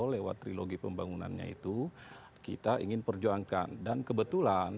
lewat trilogi pembangunannya itu kita ingin perjuangkan dan kebetulan